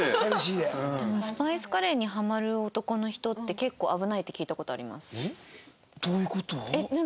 でもスパイスカレーにハマる男の人って結構危ないって聞いた事あります。